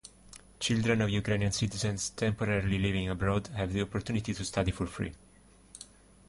Children of Ukrainian citizens temporarily living abroad have the opportunity to study for free.